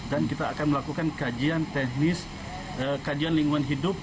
dan kita akan melakukan kajian teknis kajian lingkungan hidup